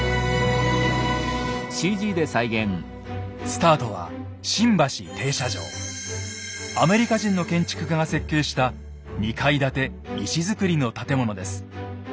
スタートはアメリカ人の建築家が設計した２階建て石造りの建物です。